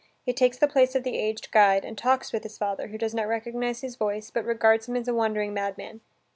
He takes the place of the aged guide and talks with his father, who does not recognize his voice, but regards him as a wandering madman.